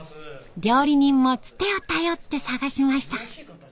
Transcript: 料理人もツテを頼って探しました。